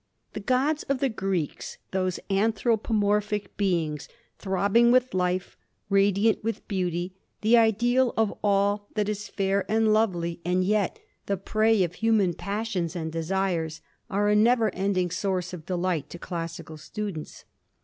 The gods of the Greeks, those anthropomorphic beings, throbbing with life, radiant with beauty, the ideal of all that is fair and lovely, and yet the prey of human passions and desires, are a never ending source of delight to classical students.